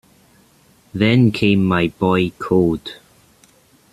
Then came my boy code.